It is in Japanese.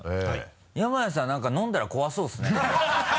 山谷さん何か飲んだら怖そうですね。